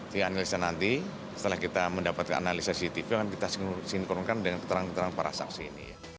di analisa nanti setelah kita mendapatkan analisa cctv akan kita sinkronkan dengan keterangan keterangan para saksi ini